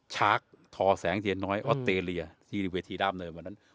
ชาร์คทอแสงเทียนน้อยออสเตรเลียที่เวทีด้ามเนินวันนั้น